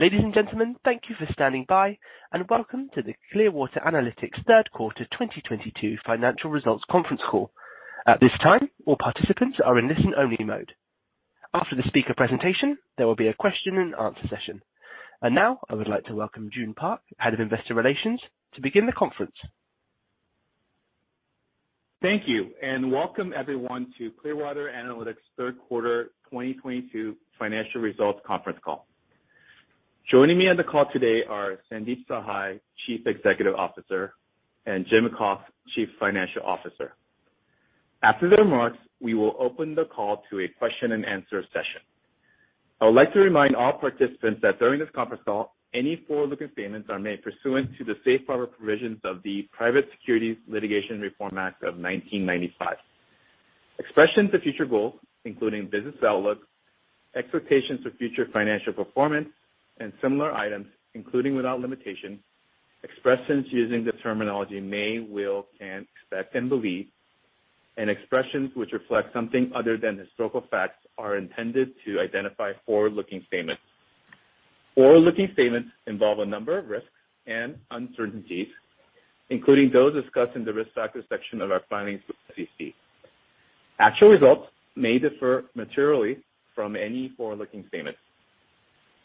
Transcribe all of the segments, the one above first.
Ladies and gentlemen, thank you for standing by, and welcome to the Clearwater Analytics third quarter 2022 financial results conference call. At this time, all participants are in listen-only mode. After the speaker presentation, there will be a question and answer session. Now I would like to welcome Joon Park, Head of Investor Relations, to begin the conference. Thank you. Welcome everyone to Clearwater Analytics third quarter 2022 financial results conference call. Joining me on the call today are Sandeep Sahai, Chief Executive Officer, and Jim Cox, Chief Financial Officer. After the remarks, we will open the call to a question-and-answer session. I would like to remind all participants that during this conference call, any forward-looking statements are made pursuant to the safe harbor provisions of the Private Securities Litigation Reform Act of 1995. Expressions of future goals, including business outlook, expectations of future financial performance and similar items, including without limitation, expressions using the terminology may, will, can, expect and believe, and expressions which reflect something other than historical facts are intended to identify forward-looking statements. Forward-looking statements involve a number of risks and uncertainties, including those discussed in the Risk Factors section of our filings with the SEC. Actual results may differ materially from any forward-looking statements.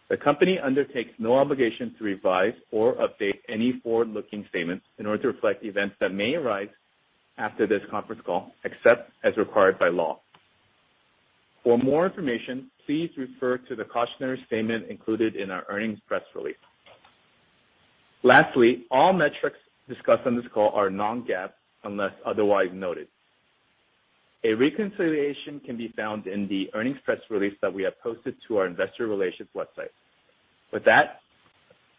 The company undertakes no obligation to revise or update any forward-looking statements in order to reflect events that may arise after this conference call, except as required by law. For more information, please refer to the cautionary statement included in our earnings press release. Lastly, all metrics discussed on this call are non-GAAP, unless otherwise noted. A reconciliation can be found in the earnings press release that we have posted to our investor relations website. With that,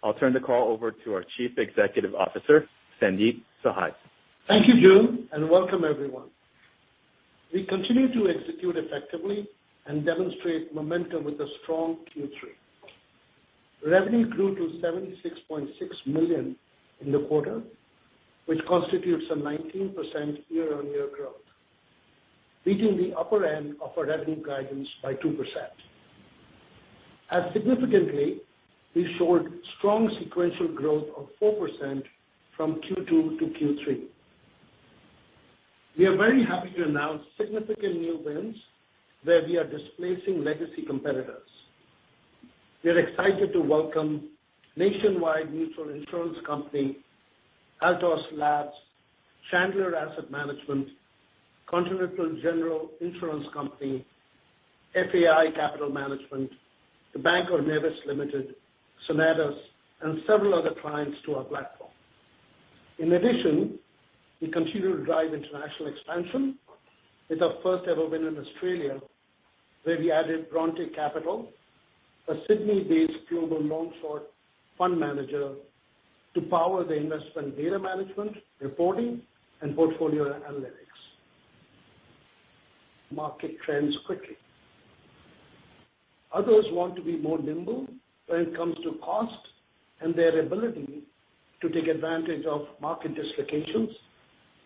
I'll turn the call over to our Chief Executive Officer, Sandeep Sahai. Thank you, Joon, and welcome everyone. We continue to execute effectively and demonstrate momentum with a strong Q3. Revenue grew to $76.6 million in the quarter, which constitutes a 19% year-on-year growth, beating the upper end of our revenue guidance by 2%. As significantly, we showed strong sequential growth of 4% from Q2 to Q3. We are very happy to announce significant new wins where we are displacing legacy competitors. We are excited to welcome Nationwide Mutual Insurance Company, Altos Labs, Chandler Asset Management, Continental General Insurance Company, FAI Capital Management, The Bank of Nevis Limited, Sonatus and several other clients to our platform. In addition, we continue to drive international expansion with our first-ever win in Australia, where we added Bronte Capital, a Sydney-based global long/short fund manager, to power their investment data management, reporting and portfolio analytics. Market trends quickly. Others want to be more nimble when it comes to cost and their ability to take advantage of market dislocations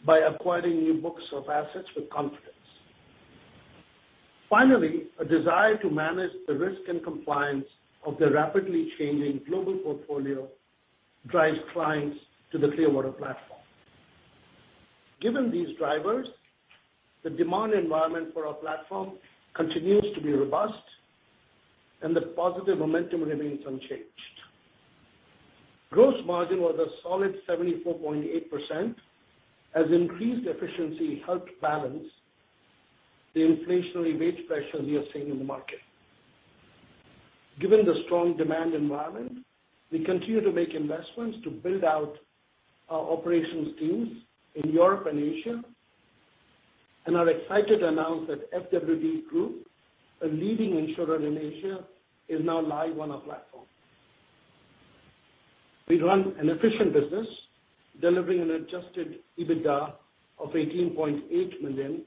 by acquiring new books of assets with confidence. Finally, a desire to manage the risk and compliance of the rapidly changing global portfolio drives clients to the Clearwater platform. Given these drivers, the demand environment for our platform continues to be robust, and the positive momentum remains unchanged. Gross margin was a solid 74.8% as increased efficiency helped balance the inflationary wage pressures we are seeing in the market. Given the strong demand environment, we continue to make investments to build out our operations teams in Europe and Asia, and are excited to announce that FWD Group, a leading insurer in Asia, is now live on our platform. We run an efficient business, delivering an Adjusted EBITDA of $18.8 million,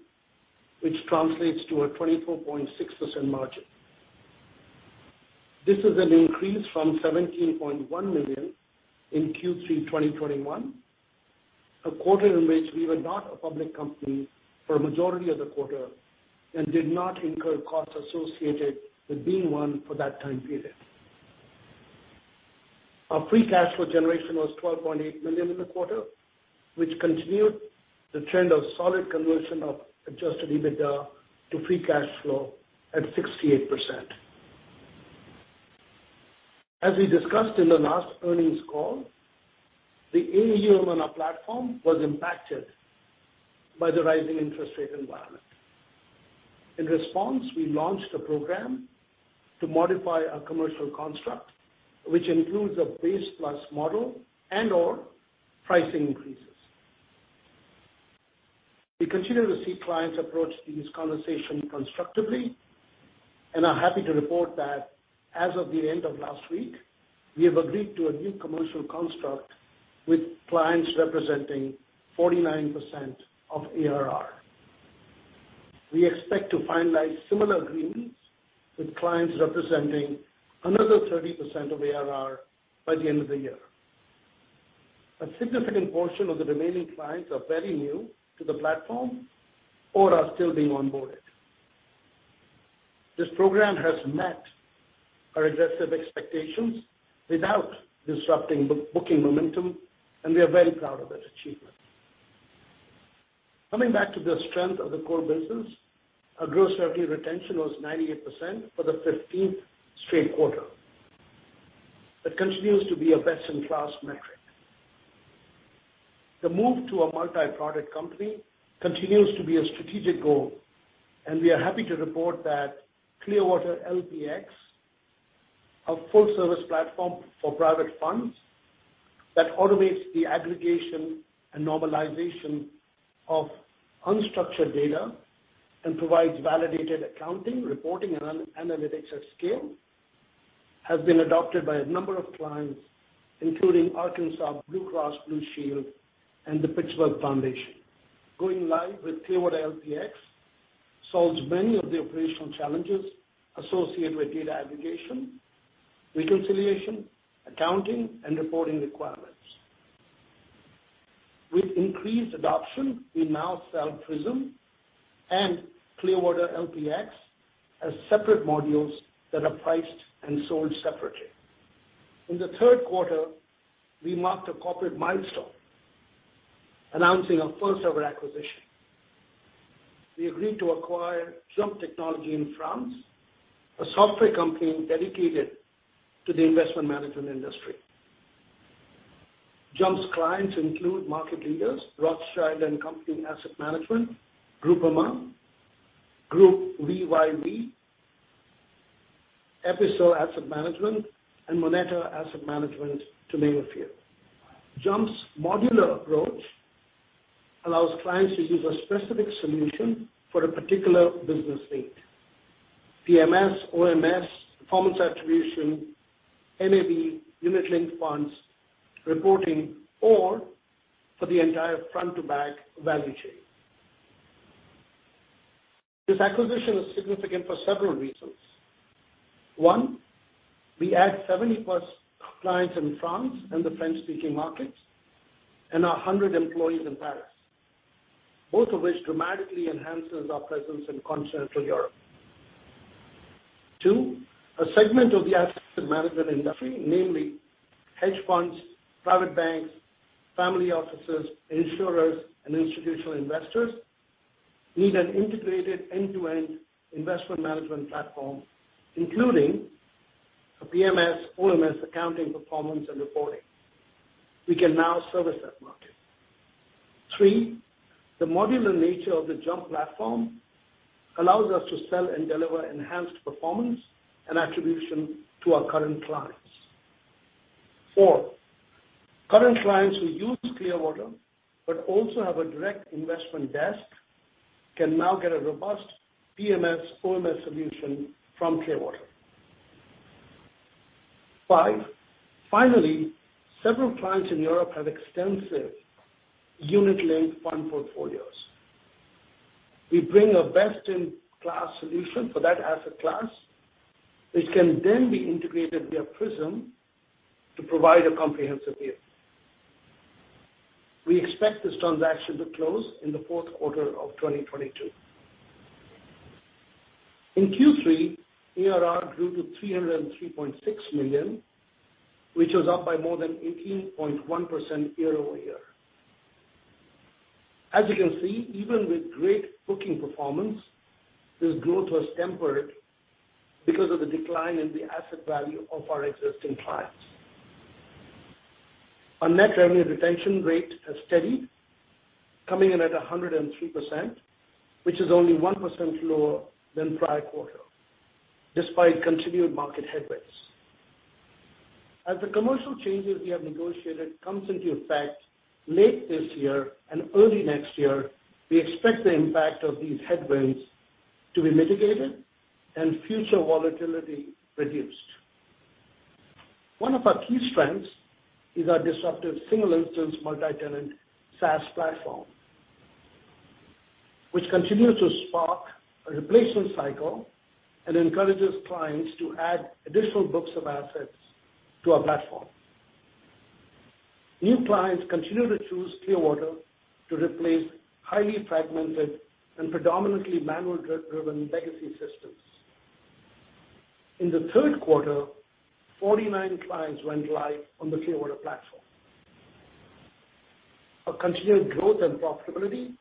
which translates to a 24.6% margin. This is an increase from $17.1 million in Q3 2021, a quarter in which we were not a public company for a majority of the quarter and did not incur costs associated with being one for that time period. Our free cash flow generation was $12.8 million in the quarter, which continued the trend of solid conversion of Adjusted EBITDA to free cash flow at 68%. As we discussed in the last earnings call, the AUM on our platform was impacted by the rising interest rate environment. In response, we launched a program to modify our commercial construct, which includes a base plus model and/or pricing increases. We continue to see clients approach these conversations constructively and are happy to report that as of the end of last week, we have agreed to a new commercial construct with clients representing 49% of ARR. We expect to finalize similar agreements with clients representing another 30% of ARR by the end of the year. A significant portion of the remaining clients are very new to the platform or are still being onboarded. This program has met our aggressive expectations without disrupting book, booking momentum, and we are very proud of this achievement. Coming back to the strength of the core business, our gross revenue retention was 98% for the 15th straight quarter. That continues to be a best-in-class metric. The move to a multi-product company continues to be a strategic goal, and we are happy to report that Clearwater LPx, our full-service platform for private funds that automates the aggregation and normalization of unstructured data and provides validated accounting, reporting, and analytics at scale, has been adopted by a number of clients, including Arkansas Blue Cross and Blue Shield and The Pittsburgh Foundation. Going live with Clearwater LPx solves many of the operational challenges associated with data aggregation, reconciliation, accounting, and reporting requirements. With increased adoption, we now sell Prism and Clearwater LPx as separate modules that are priced and sold separately. In the third quarter, we marked a corporate milestone, announcing our first-ever acquisition. We agreed to acquire JUMP Technology in France, a software company dedicated to the investment management industry. JUMP's clients include market leaders Rothschild & Co Asset Management, Groupama, Groupe VYV, Ecofi Asset Management, and Moneta Asset Management, to name a few. JUMP's modular approach allows clients to use a specific solution for a particular business need. PMS, OMS, performance attribution, MAB, unit-linked funds, reporting, or for the entire front-to-back value chain. This acquisition is significant for several reasons. One, we add 70-plus clients in France and the French-speaking markets, and 100 employees in Paris, both of which dramatically enhances our presence in Continental Europe. Two, a segment of the asset management industry, namely hedge funds, private banks, family offices, insurers, and institutional investors, need an integrated end-to-end investment management platform, including a PMS, OMS, accounting, performance, and reporting. We can now service that market. Three, the modular nature of the Jump platform allows us to sell and deliver enhanced performance and attribution to our current clients. Four, current clients who use Clearwater but also have a direct investment desk can now get a robust PMS, OMS solution from Clearwater. Five, finally, several clients in Europe have extensive unit-linked fund portfolios. We bring a best-in-class solution for that asset class, which can then be integrated via Prism to provide a comprehensive view. We expect this transaction to close in the fourth quarter of 2022. In Q3, ARR grew to $303.6 million, which was up by more than 18.1% year-over-year. As you can see, even with great booking performance, this growth was tempered because of the decline in the asset value of our existing clients. Our net revenue retention rate has steadied, coming in at 103%, which is only 1% lower than prior quarter, despite continued market headwinds. As the commercial changes we have negotiated comes into effect late this year and early next year, we expect the impact of these headwinds to be mitigated and future volatility reduced. One of our key strengths is our disruptive single-instance multi-tenant SaaS platform, which continues to spark a replacement cycle and encourages clients to add additional books of assets to our platform. New clients continue to choose Clearwater to replace highly fragmented and predominantly manual data-driven legacy systems. In the third quarter, 49 clients went live on the Clearwater platform. Our continued growth and profitability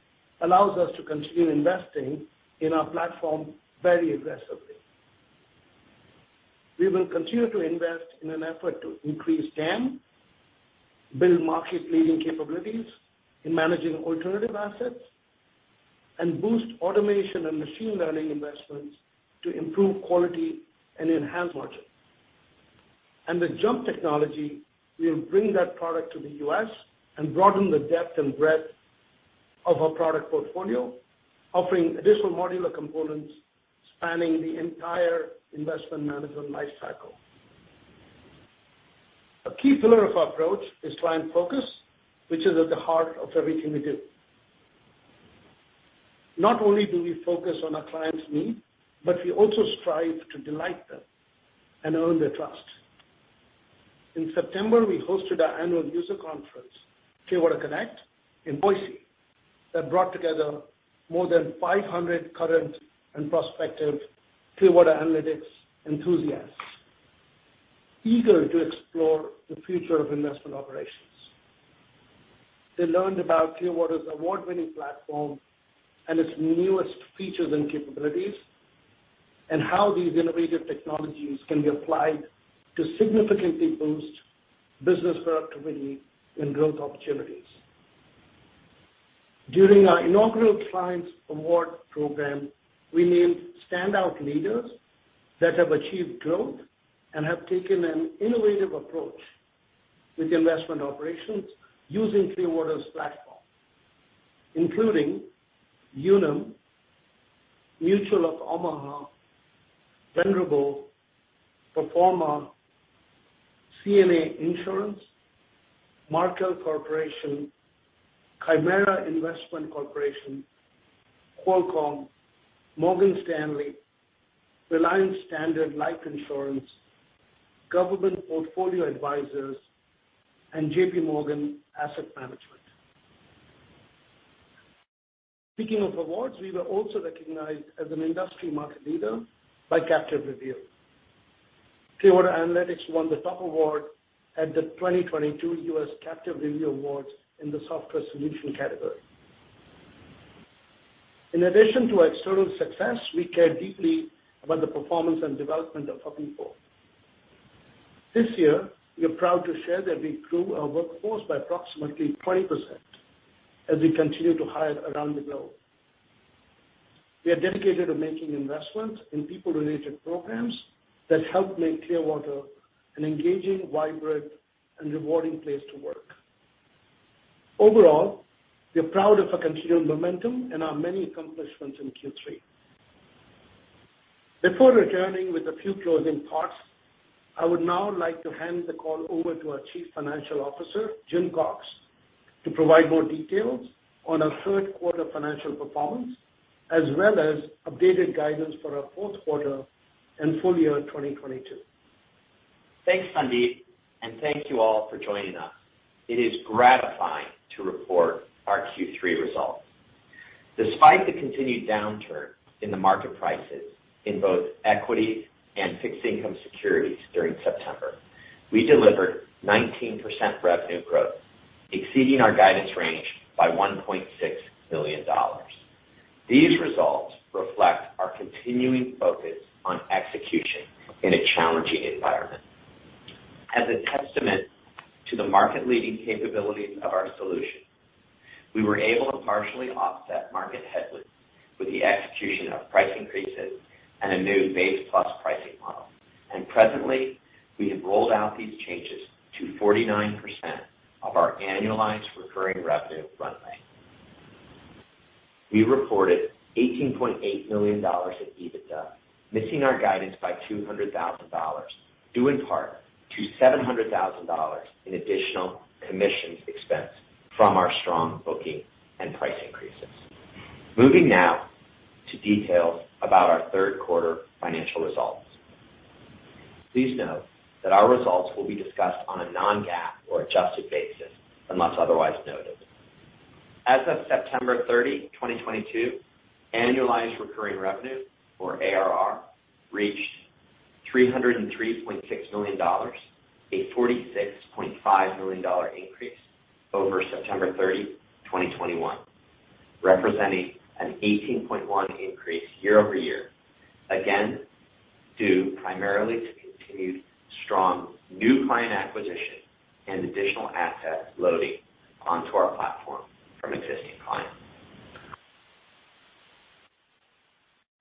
allows us to continue investing in our platform very aggressively. We will continue to invest in an effort to increase TAM, build market-leading capabilities in managing alternative assets, and boost automation and machine learning investments to improve quality and enhance margin. With JUMP Technology, we'll bring that product to the U.S. and broaden the depth and breadth of our product portfolio, offering additional modular components spanning the entire investment management life cycle. A key pillar of our approach is client focus, which is at the heart of everything we do. Not only do we focus on our clients' needs, but we also strive to delight them and earn their trust. In September, we hosted our annual user conference, Clearwater Connect, in Boise, that brought together more than 500 current and prospective Clearwater Analytics enthusiasts eager to explore the future of investment operations. They learned about Clearwater's award-winning platform and its newest features and capabilities, and how these innovative technologies can be applied to significantly boost business productivity and growth opportunities. During our inaugural clients award program, we named standout leaders that have achieved growth and have taken an innovative approach with investment operations using Clearwater's platform, including Unum, Mutual of Omaha, Venerable, Performa, CNA Insurance, Markel Corporation, Chimera Investment Corporation, Qualcomm, Morgan Stanley, Reliance Standard Life Insurance, Government Portfolio Advisors, and JPMorgan Asset Management. Speaking of awards, we were also recognized as an industry market leader by Captive Review. Clearwater Analytics won the top award at the 2022 U.S. Captive Review Awards in the software solution category. In addition to our external success, we care deeply about the performance and development of our people. This year, we are proud to share that we grew our workforce by approximately 20% as we continue to hire around the globe. We are dedicated to making investments in people-related programs that help make Clearwater an engaging, vibrant, and rewarding place to work. Overall, we're proud of our continued momentum and our many accomplishments in Q3. Before returning with a few closing thoughts, I would now like to hand the call over to our Chief Financial Officer, Jim Cox, to provide more details on our third quarter financial performance, as well as updated guidance for our fourth quarter and full year 2022. Thanks, Sandeep, and thank you all for joining us. It is gratifying to report our Q3 results. Despite the continued downturn in the market prices in both equity and fixed income securities during September, we delivered 19% revenue growth, exceeding our guidance range by $1.6 million. These results reflect our continuing focus on execution in a challenging environment. As a testament to the market-leading capabilities of our solution, we were able to partially offset market headwinds with the execution of price increases and a new base plus pricing model. Presently, we have rolled out these changes to 49% of our annualized recurring revenue runway. We reported $18.8 million in EBITDA, missing our guidance by $200,000, due in part to $700,000 in additional commissions expense from our strong booking and price increases. Moving now to details about our third quarter financial results. Please note that our results will be discussed on a non-GAAP or adjusted basis unless otherwise noted. As of September 30, 2022, annualized recurring revenue, or ARR, reached $303.6 million, a $46.5 million increase over September 30, 2021, representing an 18.1% increase year-over-year, again, due primarily to continued strong new client acquisition and additional asset loading onto our platform from existing clients.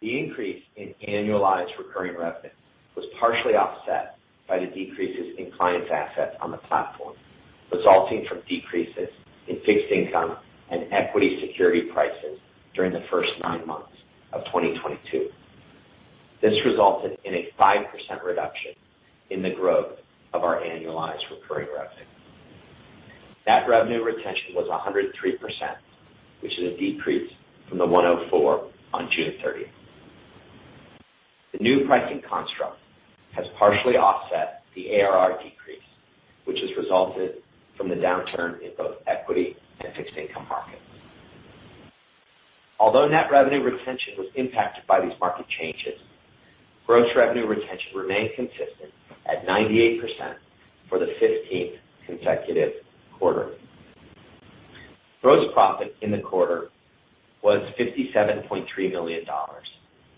The increase in annualized recurring revenue was partially offset by the decreases in clients' assets on the platform, resulting from decreases in fixed income and equity security prices during the first nine months of 2022. This resulted in a 5% reduction in the growth of our annualized recurring revenue. That revenue retention was 103%, which is a decrease from the 104 on June 30. The new pricing construct has partially offset the ARR decrease, which has resulted from the downturn in both equity and fixed income markets. Although net revenue retention was impacted by these market changes, gross revenue retention remained consistent at 98% for the 15th consecutive quarter. Gross profit in the quarter was $57.3 million,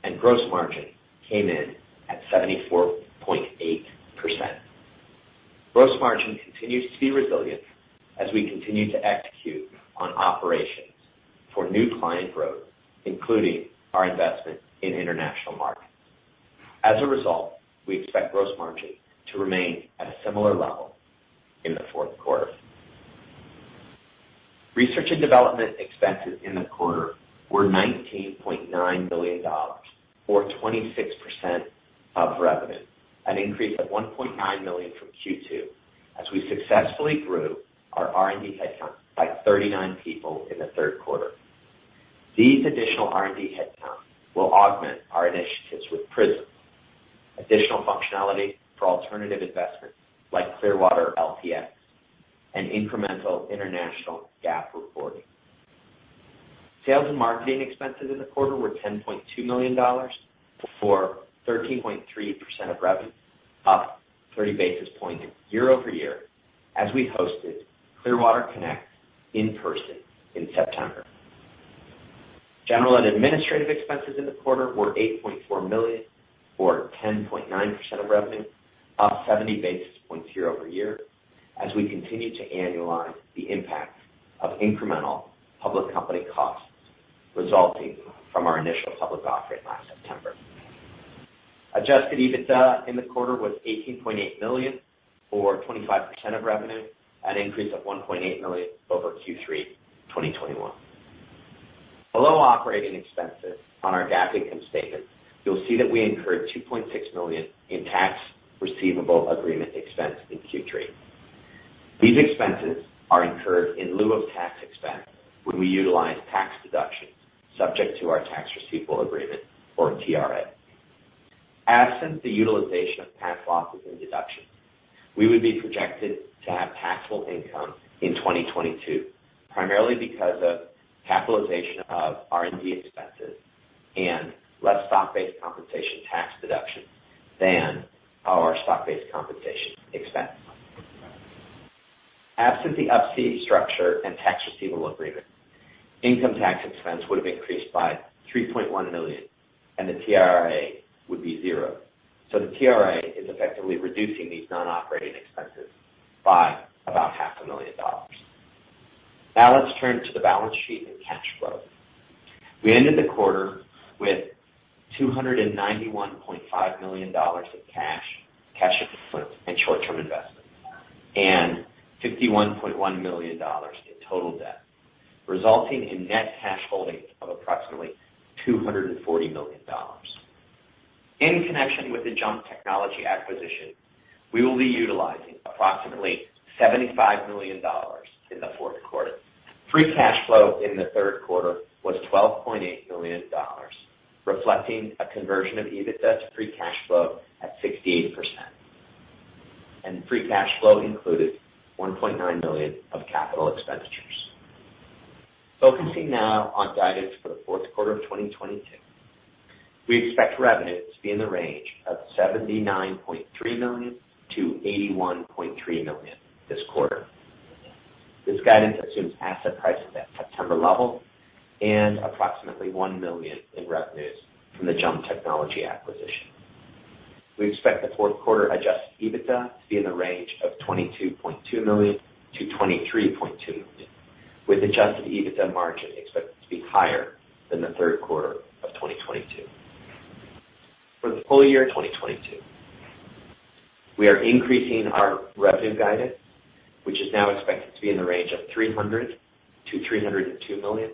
and gross margin came in at 74.8%. Gross margin continues to be resilient as we continue to execute on operations for new client growth, including our investment in international markets. As a result, we expect gross margin to remain at a similar level in the fourth quarter. Research and development expenses in the quarter were $19.9 million, or 26% of revenue, an increase of $1.9 million from Q2. As we successfully grew our R&D headcount by 39 people in the third quarter. These additional R&D headcount will augment our initiatives with Prism, additional functionality for alternative investments like Clearwater LPx, and incremental international GAAP reporting. Sales and marketing expenses in the quarter were $10.2 million, or 13.3% of revenue, up 30 basis points year-over-year as we hosted Clearwater Connect in person in September. General and administrative expenses in the quarter were $8.4 million, or 10.9% of revenue, up 70 basis points year-over-year as we continue to annualize the impact of incremental public company costs resulting from our initial public offering last September. Adjusted EBITDA in the quarter was $18.8 million, or 25% of revenue, an increase of $1.8 million over Q3 2021. Below operating expenses on our GAAP income statement, you'll see that we incurred $2.6 million in tax receivable agreement expense in Q3. These expenses are incurred in lieu of tax expense when we utilize tax deductions subject to our tax receivable agreement or TRA. Absent the utilization of past losses and deductions, we would be projected to have taxable income in 2022, primarily because of capitalization of R&D expenses and less stock-based compensation tax deductions than our stock-based compensation expense. Absent the Up-C structure and tax receivable agreement, income tax expense would have increased by $3.1 million, and the TRA would be zero. The TRA is effectively reducing these non-operating expenses by about half a million dollars. Now let's turn to the balance sheet and cash flow. We ended the quarter with $291.5 million in cash equivalents, and short-term investments, and $51.1 million in total debt, resulting in net cash holdings of approximately $240 million. In connection with the JUMP Technology acquisition, we will be utilizing approximately $75 million in the fourth quarter. Free cash flow in the third quarter was $12.8 million, reflecting a conversion of EBITDA to free cash flow at 68%. Free cash flow included $1.9 million of capital expenditures. Focusing now on guidance for the fourth quarter of 2022. We expect revenue to be in the range of $79.3 million-$81.3 million this quarter. This guidance assumes asset prices at September level and approximately $1 million in revenues from the JUMP Technology acquisition. We expect the fourth quarter Adjusted EBITDA to be in the range of $22.2 million-$23.2 million, with Adjusted EBITDA margin expected to be higher than the third quarter of 2022. For the full year 2022, we are increasing our revenue guidance, which is now expected to be in the range of $300 million-$302 million,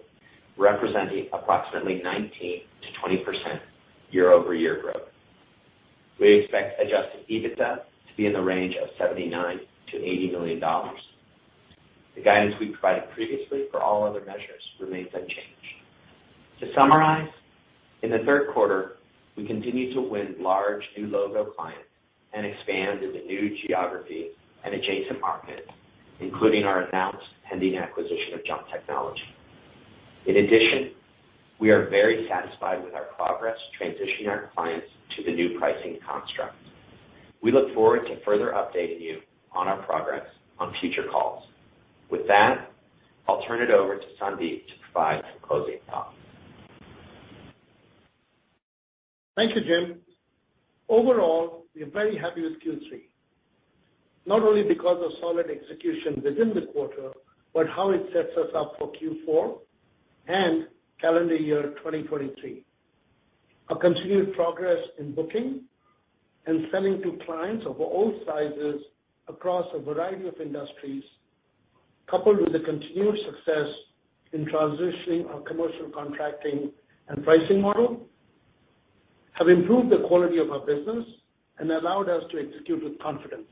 representing approximately 19%-20% year-over-year growth. We expect Adjusted EBITDA to be in the range of $79 million-$80 million. The guidance we provided previously for all other measures remains unchanged. To summarize, in the third quarter, we continued to win large new logo clients and expand into new geographies and adjacent markets, including our announced pending acquisition of JUMP Technology. In addition, we are very satisfied with our progress transitioning our clients to the new pricing construct. We look forward to further updating you on our progress on future calls. With that, I'll turn it over to Sandeep to provide some closing thoughts. Thank you, Jim. Overall, we are very happy with Q3, not only because of solid execution within the quarter, but how it sets us up for Q4 and calendar year 2023. Our continued progress in booking and selling to clients of all sizes across a variety of industries, coupled with the continued success in transitioning our commercial contracting and pricing model, have improved the quality of our business and allowed us to execute with confidence.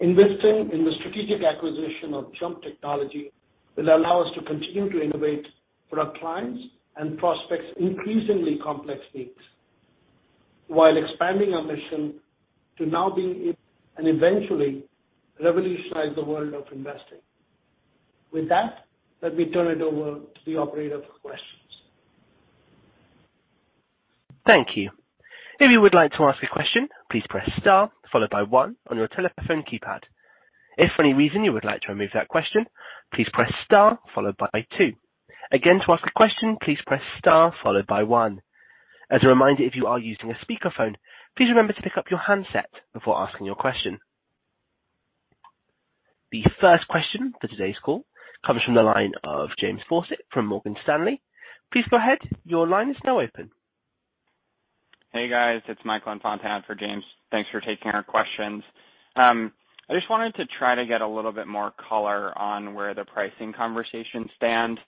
Investing in the strategic acquisition of JUMP Technology will allow us to continue to innovate for our clients' and prospects' increasingly complex needs, while expanding our mission to now be and eventually revolutionize the world of investing. With that, let me turn it over to the operator for questions. Thank you. If you would like to ask a question, please press star followed by one on your telephone keypad. If for any reason you would like to remove that question, please press star followed by two. Again, to ask a question, please press star followed by one. As a reminder, if you are using a speakerphone, please remember to pick up your handset before asking your question. The first question for today's call comes from the line of James Faucette from Morgan Stanley. Please go ahead. Your line is now open. Hey, guys, it's Michael Infante for James Faucette. Thanks for taking our questions. I just wanted to try to get a little bit more color on where the pricing conversation stands.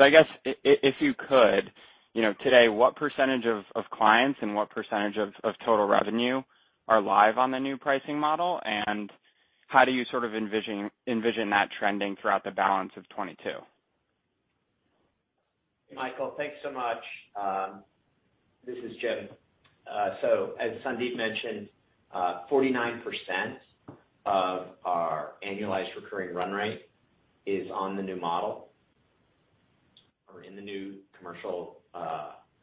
I guess if you could, you know, today, what percentage of clients and what percentage of total revenue are live on the new pricing model? And how do you sort of envision that trending throughout the balance of 2022? Michael, thanks so much. This is Jim. As Sandeep mentioned, 49% of our annualized recurring run rate is on the new model or in the new commercial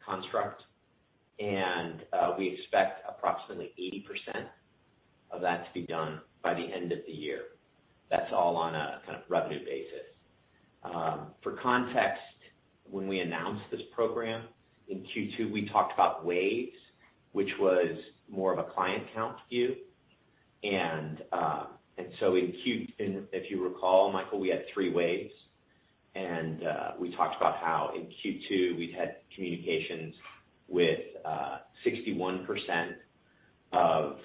construct. We expect approximately 80% of that to be done by the end of the year. That's all on a kind of revenue basis. For context, when we announced this program in Q2, we talked about waves, which was more of a client count view. If you recall, Michael, we had three waves. We talked about how in Q2 we'd had communications with 61% of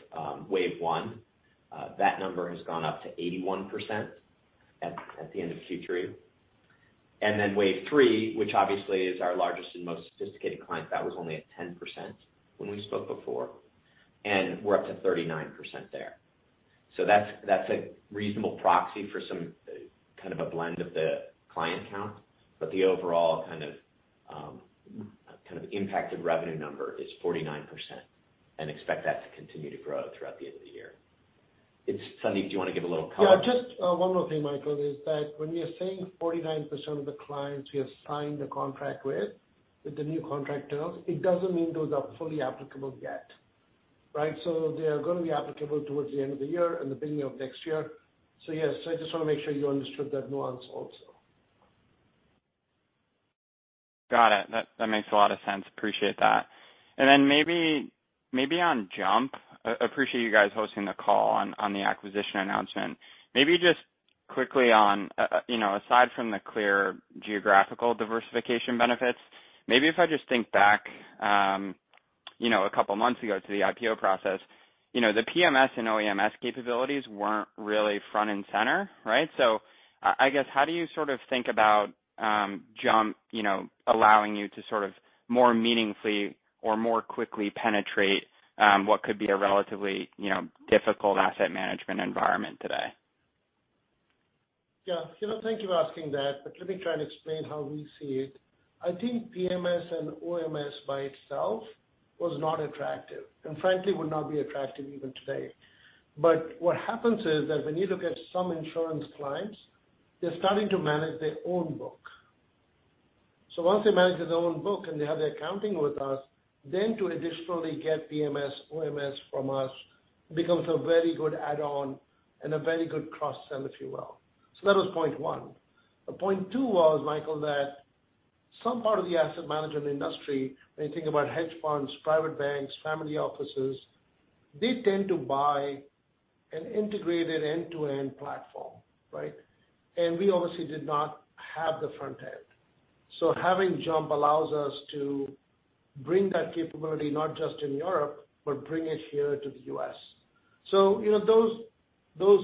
wave one. That number has gone up to 81% at the end of Q3. Wave three, which obviously is our largest and most sophisticated client, that was only at 10% when we spoke before, and we're up to 39% there. That's a reasonable proxy for some kind of a blend of the client count. The overall kind of impacted revenue number is 49% and expect that to continue to grow throughout the end of the year. It's Sandeep, do you wanna give a little color? Yeah, just, one more thing, Michael, is that when we are saying 49% of the clients we have signed a contract with the new contract terms, it doesn't mean those are fully applicable yet, right? So they are gonna be applicable towards the end of the year and the beginning of next year. So yes, I just wanna make sure you understood that nuance also. Got it. That makes a lot of sense. Appreciate that. Maybe on JUMP, appreciate you guys hosting the call on the acquisition announcement. Maybe just quickly on you know, aside from the clear geographical diversification benefits, maybe if I just think back you know, a couple months ago to the IPO process, you know, the PMS and OMS capabilities weren't really front and center, right? I guess, how do you sort of think about JUMP allowing you to sort of more meaningfully or more quickly penetrate what could be a relatively you know, difficult asset management environment today? Yeah. You know, thank you for asking that, but let me try and explain how we see it. I think PMS and OMS by itself was not attractive and frankly would not be attractive even today. What happens is that when you look at some insurance clients, they're starting to manage their own book. Once they manage their own book and they have the accounting with us, then to additionally get PMS, OMS from us becomes a very good add-on and a very good cross-sell, if you will. That was point one. Point two was, Michael, that some part of the asset management industry, when you think about hedge funds, private banks, family offices, they tend to buy an integrated end-to-end platform, right? We obviously did not have the front end. Having JUMP allows us to bring that capability not just in Europe, but bring it here to the U.S. You know, those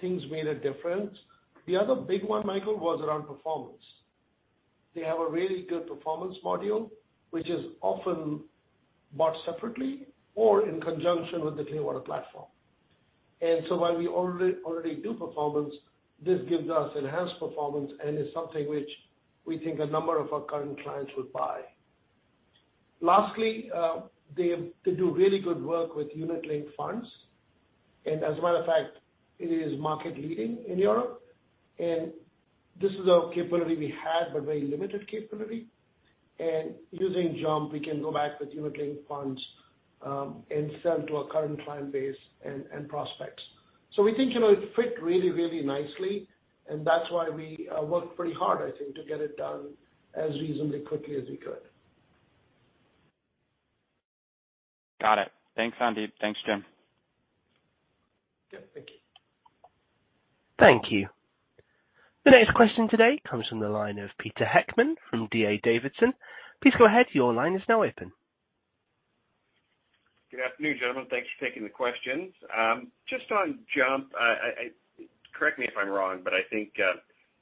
things made a difference. The other big one, Michael, was around performance. They have a really good performance module, which is often bought separately or in conjunction with the Clearwater platform. While we already do performance, this gives us enhanced performance and is something which we think a number of our current clients would buy. Lastly, they do really good work with unit-linked funds. As a matter of fact, it is market leading in Europe. This is a capability we had, but very limited capability. Using JUMP, we can go back with unit-linked funds and sell to our current client base and prospects. We think, you know, it fit really, really nicely, and that's why we worked pretty hard, I think, to get it done as reasonably quickly as we could. Got it. Thanks, Sandeep. Thanks, Jim. Yeah. Thank you. Thank you. The next question today comes from the line of Pete Heckmann from D.A. Davidson. Please go ahead. Your line is now open. Good afternoon, gentlemen. Thanks for taking the questions. Just on JUMP, correct me if I'm wrong, but I think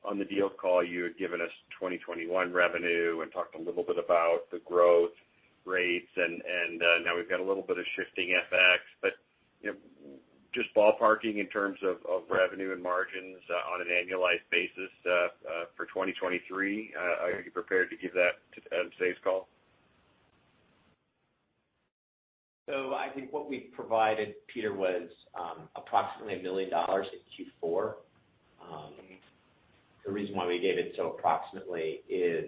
on the deal call, you had given us 2021 revenue and talked a little bit about the growth rates, and now we've got a little bit of shifting FX. You know, just ballparking in terms of revenue and margins on an annualized basis for 2023, are you prepared to give that today's call? I think what we provided, Peter, was approximately $1 million in Q4. The reason why we gave it so approximately is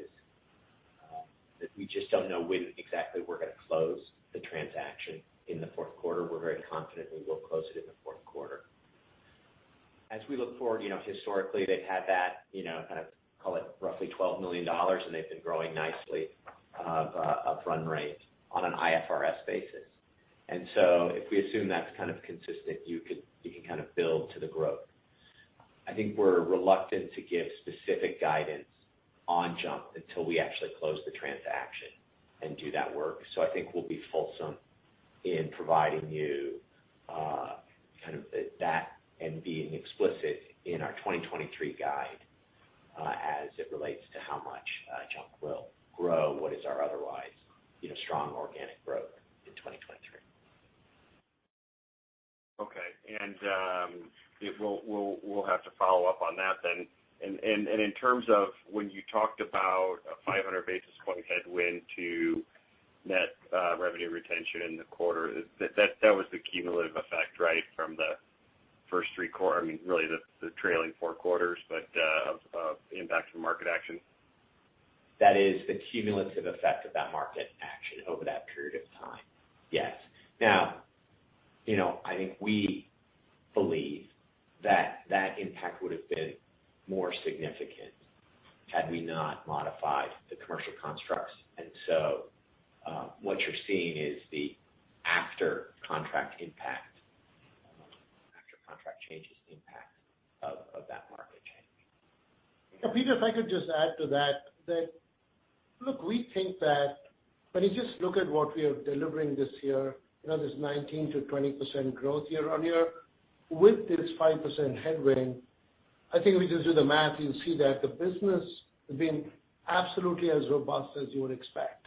that we just don't know when exactly we're gonna close the transaction in the fourth quarter. We're very confident we will close it in the fourth quarter. As we look forward, you know, historically, they've had that, you know, kind of call it roughly $12 million, and they've been growing nicely of run rate on an IFRS basis. If we assume that's kind of consistent, you could, you can kind of build to the growth. I think we're reluctant to give specific guidance on JUMP until we actually close the transaction and do that work. I think we'll be fulsome in providing you kind of that and being explicit in our 2023 guide, as it relates to how much Jump will grow, what is our otherwise, you know, strong organic growth in 2023. Okay. We'll have to follow up on that then. In terms of when you talked about a 500 basis point headwind to net revenue retention in the quarter, that was the cumulative effect, right? I mean, really from the trailing four quarters, but of the impact from market action. That is the cumulative effect of that market action over that period of time. Yes. Now, you know, I think we believe that that impact would have been more significant had we not modified the commercial constructs. What you're seeing is the after contract impact, after contract changes impact of that market change. Yeah, Pete, if I could just add to that. That look, we think that when you just look at what we are delivering this year, you know, this 19%-20% growth year-on-year with this 5% headwind, I think if you just do the math, you'll see that the business has been absolutely as robust as you would expect,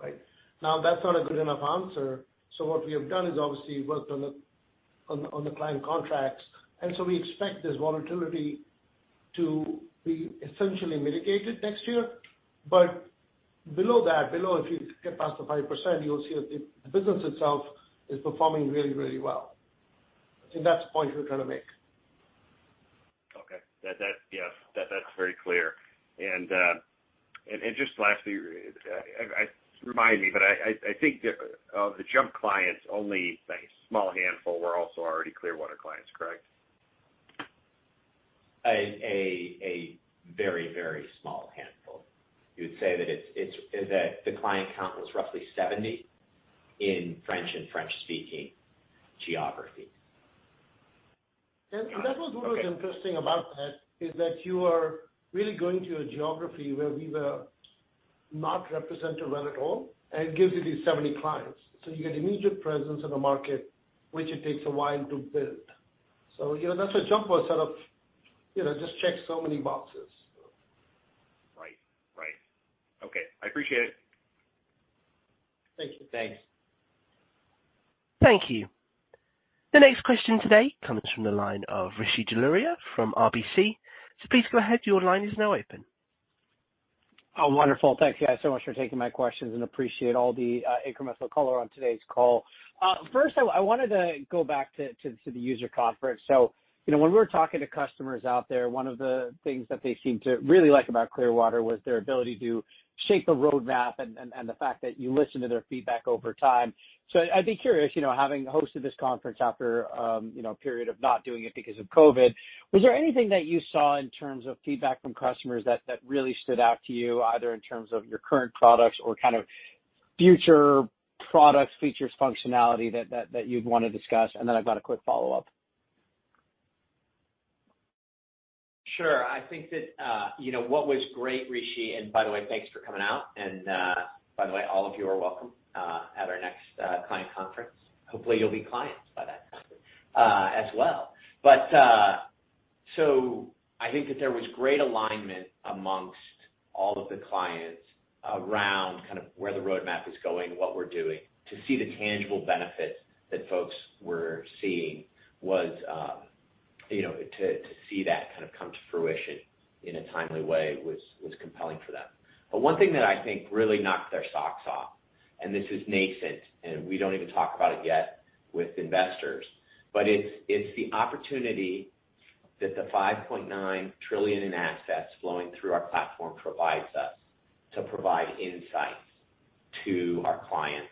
right? Now, that's not a good enough answer, so what we have done is obviously worked on the client contracts, and so we expect this volatility to be essentially mitigated next year. Below that, below if you get past the 5%, you'll see that the business itself is performing really, really well. I think that's the point we're trying to make. Okay. That's very clear. Just lastly, remind me, but I think of the Jump clients, only a small handful were also already Clearwater clients, correct? A very small handful. You would say that the client count was roughly 70 in French and French-speaking geographies. That was what was interesting about that, is that you are really going to a geography where we were not represented well at all, and it gives you these 70 clients. you get immediate presence in the market, which it takes a while to build. you know, that's why JUMP was sort of just checked so many boxes. Right. Okay. I appreciate it. Thank you. Thanks. Thank you. The next question today comes from the line of Rishi Jaluria from RBC. Please go ahead, your line is now open. Oh, wonderful. Thank you guys so much for taking my questions and appreciate all the, incremental color on today's call. First I wanted to go back to the user conference. You know, when we're talking to customers out there, one of the things that they seem to really like about Clearwater was their ability to shape the roadmap and the fact that you listen to their feedback over time. I'd be curious, you know, having hosted this conference after, you know, a period of not doing it because of COVID, was there anything that you saw in terms of feedback from customers that really stood out to you, either in terms of your current products or kind of future products, features, functionality that you'd want to discuss? Then I've got a quick follow-up. Sure. I think that what was great, Rishi, and by the way, thanks for coming out. By the way, all of you are welcome at our next client conference. Hopefully, you'll be clients by then, as well. I think that there was great alignment amongst all of the clients around kind of where the roadmap is going, what we're doing to see the tangible benefits that folks were seeing was to see that kind of come to fruition in a timely way was compelling for them. One thing that I think really knocked their socks off, and this is nascent, and we don't even talk about it yet with investors, but it's the opportunity that the 5.9 trillion in assets flowing through our platform provides us to provide insights to our clients,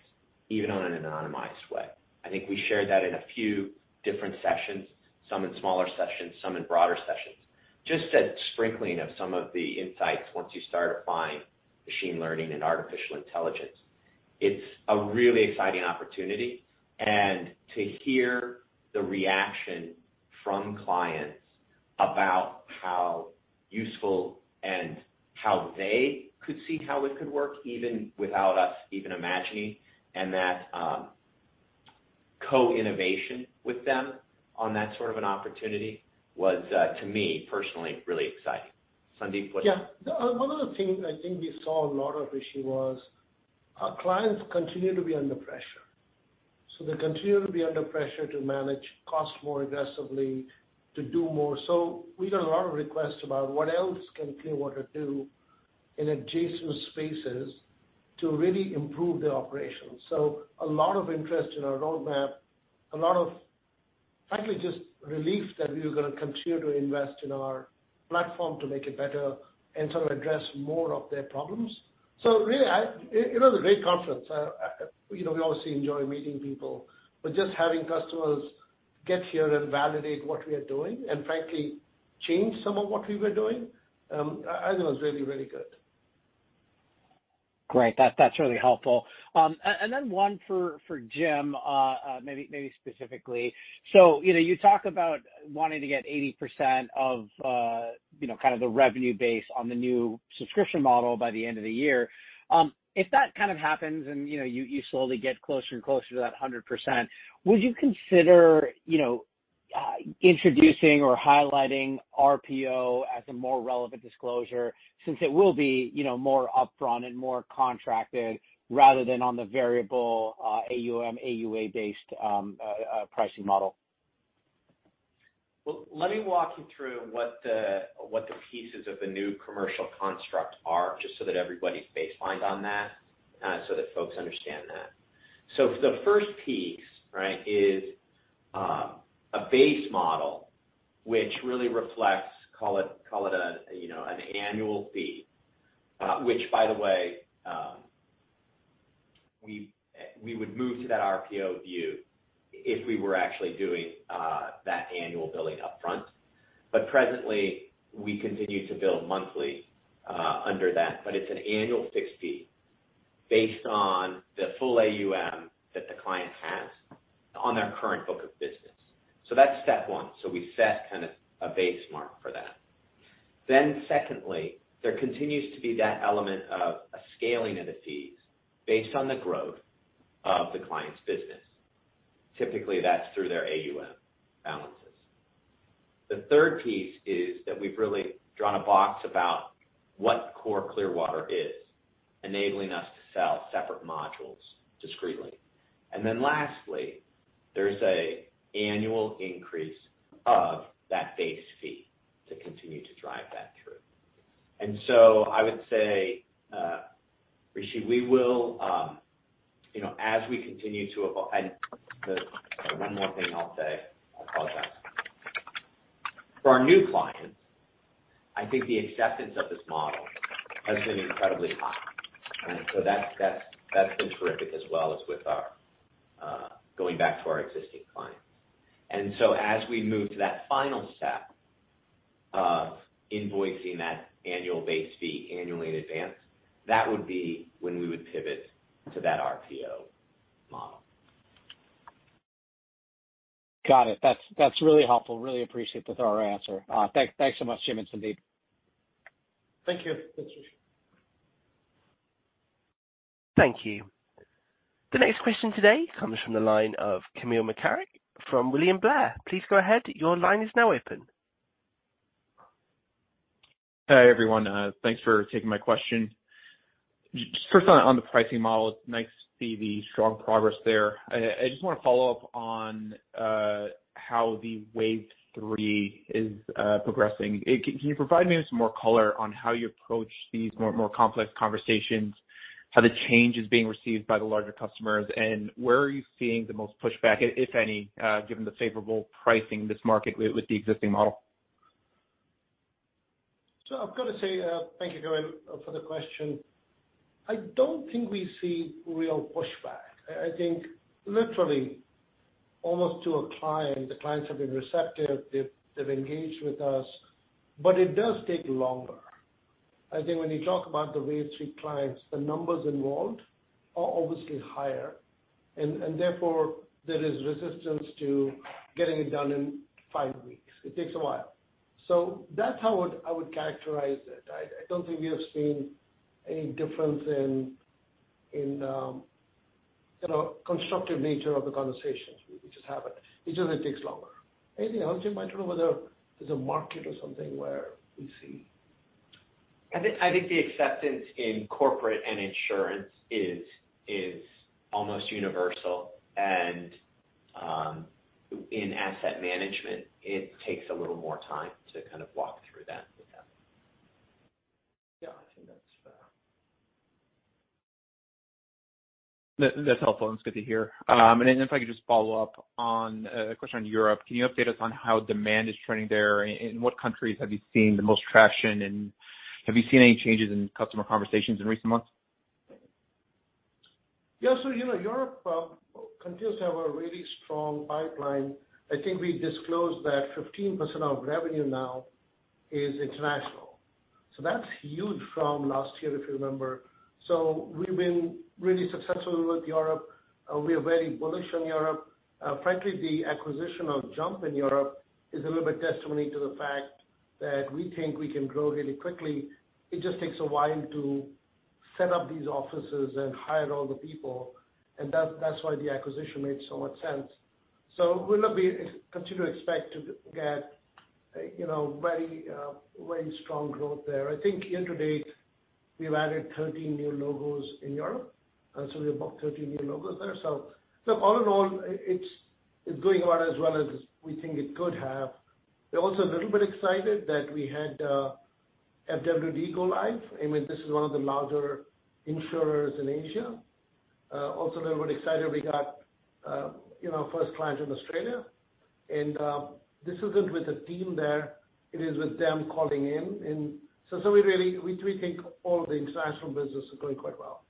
even on an anonymized way. I think we shared that in a few different sessions, some in smaller sessions, some in broader sessions. Just that sprinkling of some of the insights once you start applying machine learning and artificial intelligence, it's a really exciting opportunity. To hear the reaction from clients about how useful and how they could see how it could work, even without us even imagining, and that co-innovation with them on that sort of an opportunity was to me personally, really exciting. Sandeep. Yeah. One of the things I think we saw a lot of, Rishi, was our clients continue to be under pressure. They continue to be under pressure to manage costs more aggressively, to do more. We got a lot of requests about what else can Clearwater do in adjacent spaces to really improve their operations. A lot of interest in our roadmap. A lot of, frankly, just relief that we were gonna continue to invest in our platform to make it better and sort of address more of their problems. Really, you know, a great conference. You know, we obviously enjoy meeting people, but just having customers get here and validate what we are doing and frankly, change some of what we were doing, I think was really, really good. Great. That's really helpful. One for Jim, maybe specifically. You know, you talk about wanting to get 80% of, you know, kind of the revenue base on the new subscription model by the end of the year. If that kind of happens and, you know, you slowly get closer and closer to that 100%, would you consider, you know, introducing or highlighting RPO as a more relevant disclosure since it will be more upfront and more contracted rather than on the variable AUM, AUA-based pricing model? Well, let me walk you through what the pieces of the new commercial construct are, just so that everybody's baselined on that, so that folks understand that. The first piece, right, is a base model which really reflects, call it an annual fee. Which by the way, we would move to that RPO view if we were actually doing that annual billing upfront. Presently, we continue to bill monthly under that. It's an annual fixed fee based on the full AUM that the client has on their current book of business. That's step one. We set kind of a base mark for that. Secondly, there continues to be that element of a scaling of the fees based on the growth of the client's business. Typically, that's through their AUM balances. The third piece is that we've really drawn a box about what core Clearwater is, enabling us to sell separate modules discreetly. Lastly, there's an annual increase of that base fee to continue to drive that through. I would say, Rishi Jaluria, we will, you know, as we continue to evolve. One more thing I'll say, I apologize. For our new clients, I think the acceptance of this model has been incredibly high. That's been terrific as well as with our, going back to our existing clients. As we move to that final step of invoicing that annual base fee annually in advance, that would be when we would pivot to that RPO model. Got it. That's really helpful. Really appreciate the thorough answer. Thanks so much, Jim and Sandeep. Thank you. Thank you. Thank you. The next question today comes from the line of Dylan Becker from William Blair. Please go ahead. Your line is now open. Hi, everyone. Thanks for taking my question. Just first on the pricing model, it's nice to see the strong progress there. I just wanna follow up on how the wave three is progressing. Can you provide me with some more color on how you approach these more complex conversations? How the change is being received by the larger customers, and where are you seeing the most pushback, if any, given the favorable pricing in this market with the existing model? I've got to say, thank you, Dylan, for the question. I don't think we see real pushback. I think literally almost to a client, the clients have been receptive. They've engaged with us, but it does take longer. I think when you talk about the wave three clients, the numbers involved are obviously higher and therefore there is resistance to getting it done in five weeks. It takes a while. That's how I would characterize it. I don't think we have seen any difference in you know constructive nature of the conversations. We just have it. It just takes longer. Anything else, Jim? I don't know whether there's a market or something where we see. I think the acceptance in corporate and insurance is almost universal, and in asset management, it takes a little more time to kind of walk through that with them. Yeah, I think that's. That's helpful and it's good to hear. If I could just follow up on a question on Europe. Can you update us on how demand is trending there? And what countries have you seen the most traction, and have you seen any changes in customer conversations in recent months? Yeah. You know, Europe continues to have a really strong pipeline. I think we disclosed that 15% of revenue now is international, so that's huge from last year, if you remember. We've been really successful with Europe. We are very bullish on Europe. Frankly, the acquisition of JUMP in Europe is a little bit testimony to the fact that we think we can grow really quickly. It just takes a while to set up these offices and hire all the people, and that's why the acquisition made so much sense. We'll continue to expect to get, you know, very, very strong growth there. I think year to date, we've added 13 new logos in Europe, so we have about 13 new logos there. All in all, it's going about as well as we think it could have. We're also a little bit excited that we had FWD Group. I mean, this is one of the larger insurers in Asia. Also a little bit excited we got, you know, first client in Australia and this isn't with a team there, it is with them calling in. We really think all the international business is going quite well.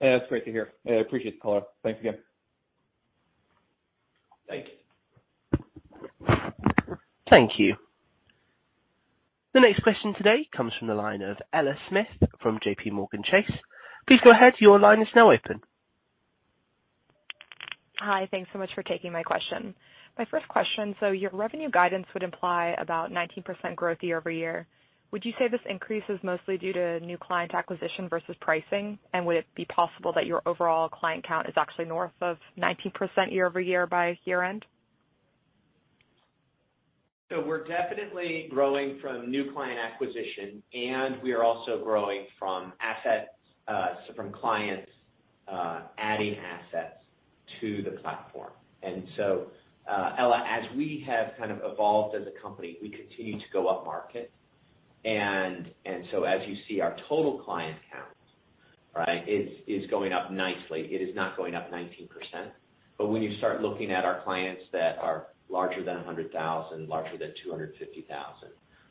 Yeah. That's great to hear. I appreciate the color. Thanks again. Thank you. The next question today comes from the line of Ella Smith from JPMorgan Chase. Please go ahead. Your line is now open. Hi. Thanks so much for taking my question. My first question, your revenue guidance would imply about 19% growth year-over-year. Would you say this increase is mostly due to new client acquisition versus pricing? And would it be possible that your overall client count is actually north of 19% year-over-year by year-end? We're definitely growing from new client acquisition, and we are also growing from assets, so from clients adding assets to the platform. Ella, as we have kind of evolved as a company, we continue to go up market. As you see our total client count, right, is going up nicely. It is not going up 19%. When you start looking at our clients that are larger than $100,000, larger than $250,000,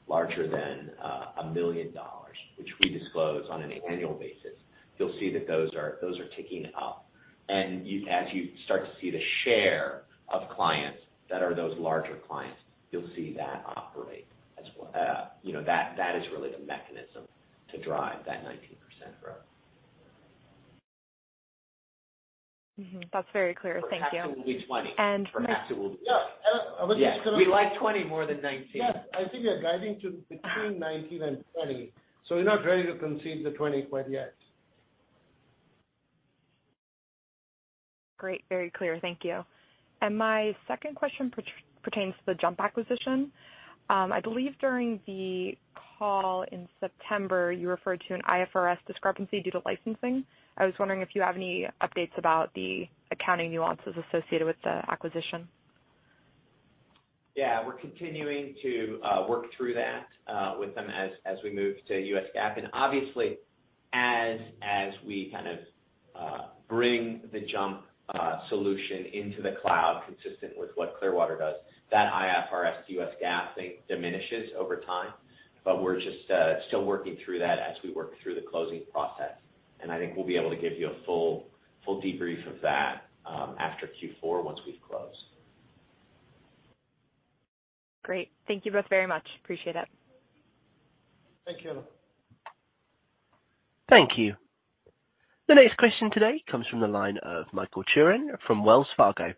larger than $1 million, which we disclose on an annual basis, you'll see that those are ticking up. As you start to see the share of clients that are those larger clients, you'll see that go up as well. You know, that is really the mechanism to drive that 19% growth. That's very clear. Thank you. Perhaps it will be 20. We like 20 more than 19. Yes. I think we are guiding to between 19 and 20, so we're not ready to concede the 20 quite yet. Great. Very clear. Thank you. My second question pertains to the JUMP acquisition. I believe during the call in September, you referred to an IFRS discrepancy due to licensing. I was wondering if you have any updates about the accounting nuances associated with the acquisition. Yeah, we're continuing to work through that with them as we move to U.S. GAAP. Obviously, as we kind of bring the Jump solution into the cloud consistent with what Clearwater does, that IFRS to U.S. GAAP thing diminishes over time. We're just still working through that as we work through the closing process. I think we'll be able to give you a full debrief of that after Q4 once we've closed. Great. Thank you both very much. Appreciate it. Thank you. Thank you. The next question today comes from the line of Michael Turrin from Wells Fargo.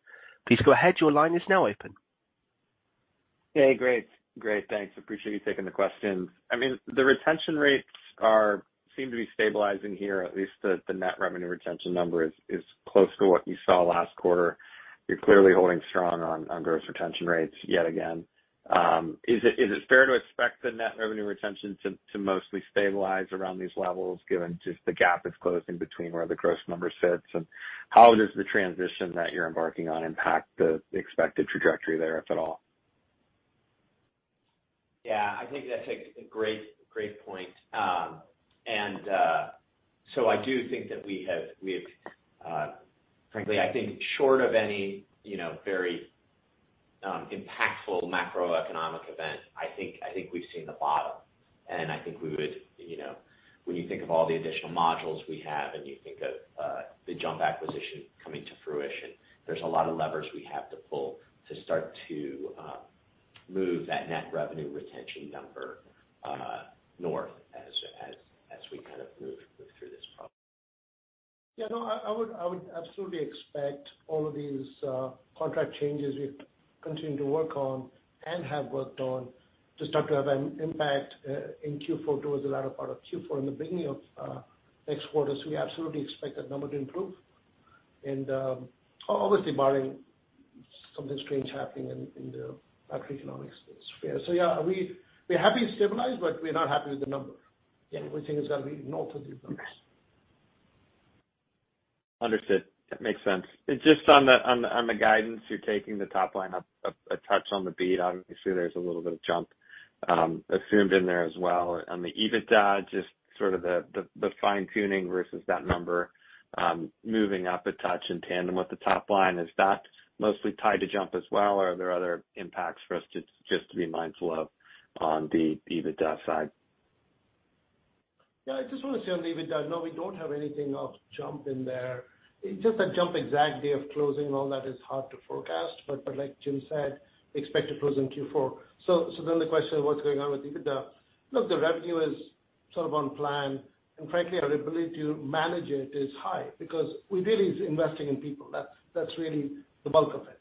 Please go ahead. Your line is now open. Hey, great. Thanks. Appreciate you taking the questions. I mean, the retention rates seem to be stabilizing here. At least the net revenue retention number is close to what you saw last quarter. You're clearly holding strong on gross retention rates yet again. Is it fair to expect the net revenue retention to mostly stabilize around these levels given just the gap that's closing between where the gross number sits? How does the transition that you're embarking on impact the expected trajectory there, if at all? Yeah, I think that's a great point. I do think that we've frankly, I think short of any, you know, very impactful macroeconomic event, I think we've seen the bottom. I think we would, you know, when you think of all the additional modules we have and you think of the JUMP acquisition coming to fruition, there's a lot of levers we have to pull to start to move that net revenue retention number north as we kind of move through this problem. Yeah, no, I would absolutely expect all of these contract changes we've continued to work on and have worked on to start to have an impact in Q4 towards the latter part of Q4 and the beginning of next quarter. We absolutely expect that number to improve. Obviously barring something strange happening in the macroeconomic sphere. Yeah, we're happy it's stabilized, but we're not happy with the number. Yeah, we think it's gonna be notably better. Understood. That makes sense. Just on the guidance, you're taking the top line up a touch on the beat. Obviously, there's a little bit of JUMP assumed in there as well. On the EBITDA, just sort of the fine-tuning versus that number moving up a touch in tandem with the top line, is that mostly tied to JUMP as well? Or are there other impacts for us to just to be mindful of on the EBITDA side? Yeah, I just wanna say on the EBITDA, no, we don't have anything of JUMP in there. Just that JUMP exact day of closing and all that is hard to forecast, but like Jim said, we expect to close in Q4. The question is what's going on with EBITDA? Look, the revenue is sort of on plan, and frankly, our ability to manage it is high because we really is investing in people. That's really the bulk of it.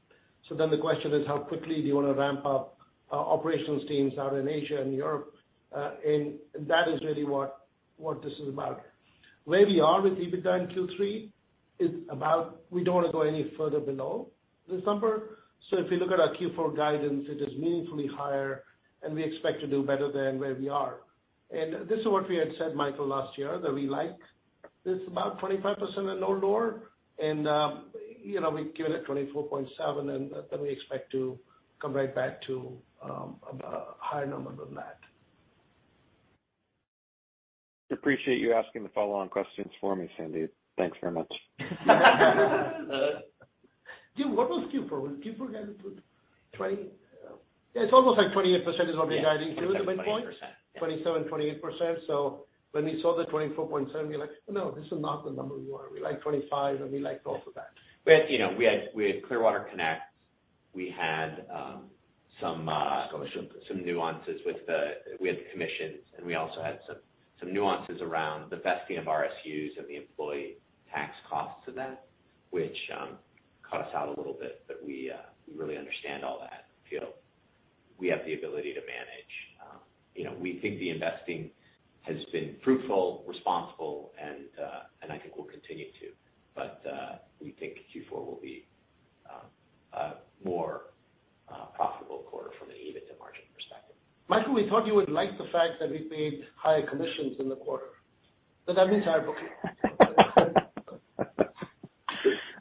The question is how quickly do you wanna ramp up our operations teams out in Asia and Europe? That is really what this is about. Where we are with EBITDA in Q3 is about we don't wanna go any further below this number. If you look at our Q4 guidance, it is meaningfully higher, and we expect to do better than where we are. This is what we had said, Michael, last year, that we like this about 25% and no lower. You know, we've given it 24.7%, and then we expect to come right back to a higher number than that. Appreciate you asking the follow-on questions for me, Sandeep. Thanks very much. Jim, what was Q4? Yeah, it's almost like 28% is what we're guiding through the midpoint. Yeah. 27%-28%. Yeah. 27%-28%. When we saw the 24.7%, we're like, "No, this is not the number we want. We like 25%, and we like both of that. We had, you know, Clearwater Connect. We had some nuances with the commissions, and we also had some nuances around the vesting of RSUs and the employee tax costs of that, which cut us out a little bit, but we really understand all that. Feel we have the ability to manage. You know, we think the investing has been fruitful, responsible, and I think will continue to. We think Q4 will be a more profitable quarter from an EBITDA margin perspective. Michael, we thought you would like the fact that we paid higher commissions in the quarter. Does that mean it's our booking?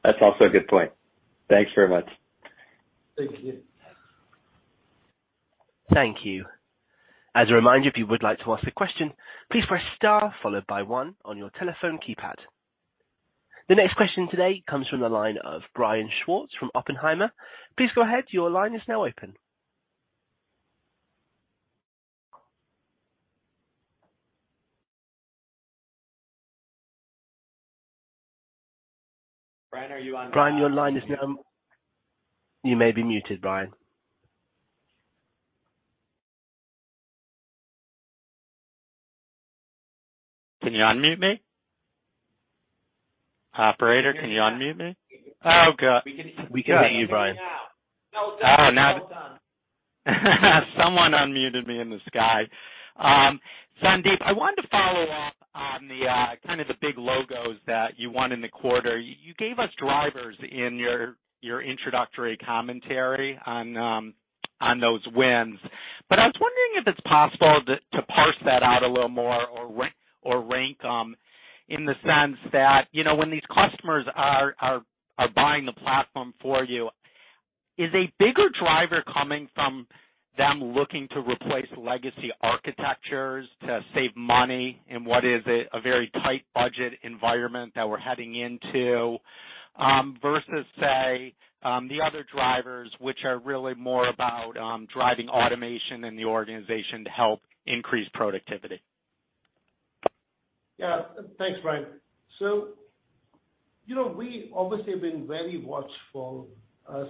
That's also a good point. Thanks very much. Thank you. Thank you. As a reminder, if you would like to ask a question, please press star followed by one on your telephone keypad. The next question today comes from the line of Brian Schwartz from Oppenheimer. Please go ahead. Your line is now open. Brian, are you on? Brian, your line is now. You may be muted, Brian. Can you unmute me? Operator, can you unmute me? We can hear you, Brian. Oh, now. Someone unmuted me in the sky. Sandeep, I wanted to follow up on the kind of the big logos that you won in the quarter. You gave us drivers in your introductory commentary on those wins. I was wondering if it's possible to parse that out a little more or rank in the sense that, you know, when these customers are buying the platform for you, is a bigger driver coming from them looking to replace legacy architectures to save money in what is a very tight budget environment that we're heading into versus, say, the other drivers, which are really more about driving automation in the organization to help increase productivity? Yeah. Thanks, Brian. We obviously have been very watchful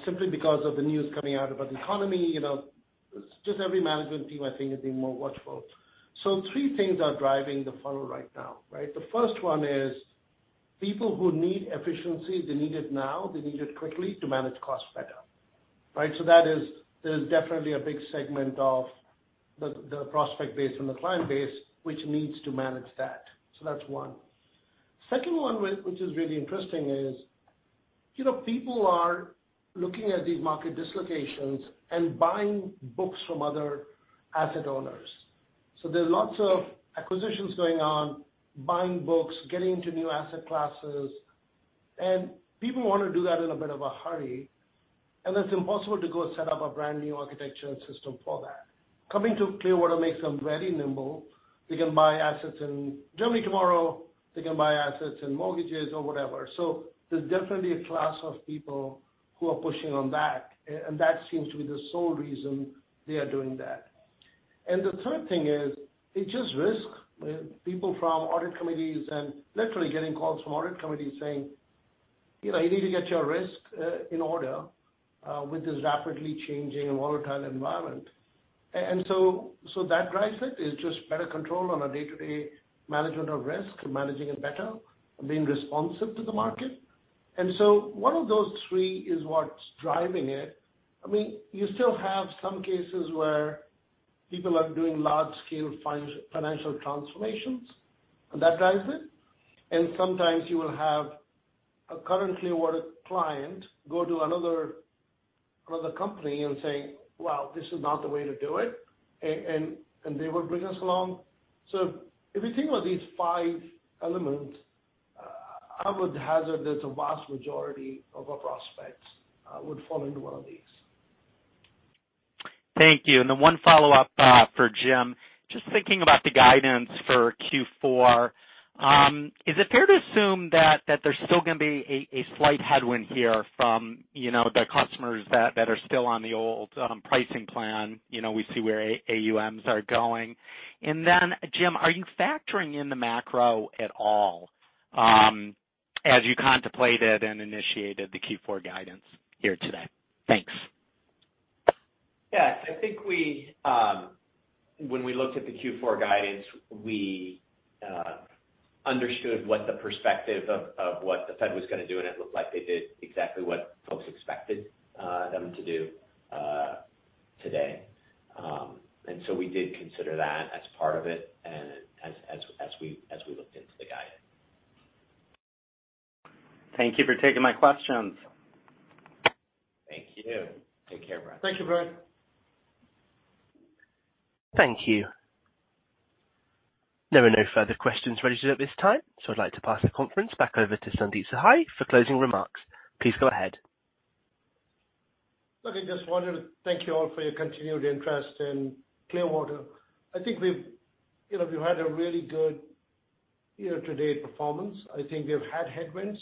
simply because of the news coming out about the economy, you know. Just every management team, I think, is being more watchful. Three things are driving the funnel right now, right? The first one is people who need efficiency, they need it now, they need it quickly to manage costs better, right? There's definitely a big segment of the prospect base and the client base, which needs to manage that. That's one. Second one, which is really interesting is, you know, people are looking at these market dislocations and buying books from other asset owners. There are lots of acquisitions going on, buying books, getting into new asset classes, and people wanna do that in a bit of a hurry. It's impossible to go set up a brand new architecture and system for that. Coming to Clearwater makes them very nimble. They can buy assets in Germany tomorrow, they can buy assets in mortgages or whatever. There's definitely a class of people who are pushing on that. That seems to be the sole reason they are doing that. The third thing is, it's just risk. People from audit committees and literally getting calls from audit committees saying, "You know, you need to get your risk in order with this rapidly changing and volatile environment." That drives it. It's just better control on a day-to-day management of risk, managing it better, and being responsive to the market. One of those three is what's driving it. I mean, you still have some cases where people are doing large scale financial transformations, and that drives it. Sometimes you will have a current Clearwater client go to another company and say, "Well, this is not the way to do it," and they will bring us along. If you think about these five elements, I would hazard that the vast majority of our prospects would fall into one of these. Thank you. One follow-up for Jim. Just thinking about the guidance for Q4, is it fair to assume that there's still gonna be a slight headwind here from, you know, the customers that are still on the old pricing plan? You know, we see where AUMs are going. Jim, are you factoring in the macro at all, as you contemplated and initiated the Q4 guidance here today? Thanks. Yes. I think when we looked at the Q4 guidance, we understood the perspective of what the Fed was gonna do, and it looked like they did exactly what folks expected them to do today. We did consider that as part of it and as we looked into the guidance. Thank you for taking my questions. Thank you. Take care, Brian. Thank you, Brian. Thank you. There are no further questions registered at this time, so I'd like to pass the conference back over to Sandeep Sahai for closing remarks. Please go ahead. Look, I just wanted to thank you all for your continued interest in Clearwater. I think we've, you know, we've had a really good year-to-date performance. I think we have had headwinds,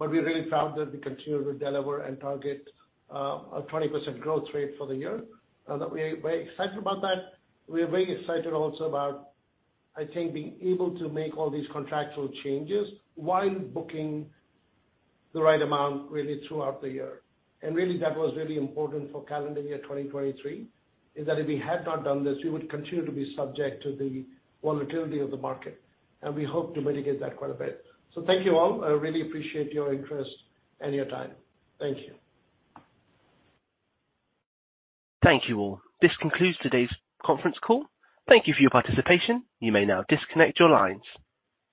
but we're really proud that we continue to deliver and target 20% growth rate for the year, and that we're excited about that. We are very excited also about, I think, being able to make all these contractual changes while booking the right amount really throughout the year. Really that was really important for calendar year 2023, is that if we had not done this, we would continue to be subject to the volatility of the market, and we hope to mitigate that quite a bit. Thank you all. I really appreciate your interest and your time. Thank you. Thank you all. This concludes today's conference call. Thank you for your participation. You may now disconnect your lines.